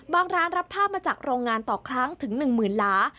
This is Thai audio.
บางร้านรับผ้ามาจากโรงงานต่อครั้งถึงหนึ่งหมื่นล้า